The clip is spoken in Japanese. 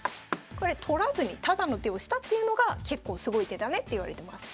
これ取らずにタダの手をしたっていうのが結構すごい手だねっていわれてます。